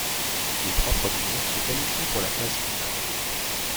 Les trois premiers se qualifient pour la phase finale.